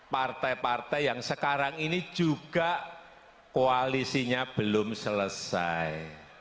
partai partai yang sekarang ini juga koalisinya belum selesai